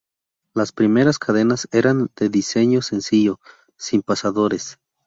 Las primeras cadenas eran de diseño sencillo, sin pasadores.